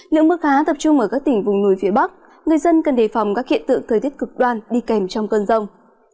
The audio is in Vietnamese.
lượng mưa khá tập trung ở các tỉnh vùng núi phía bắc người dân cần đề phòng các hiện tượng thời tiết cực đoan đi kèm trong cơn rông